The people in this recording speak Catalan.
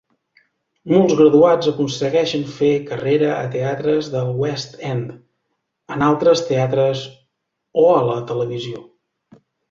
Molts graduats aconsegueixen fer carrera a teatres del West End, en altres teatres o a la televisió.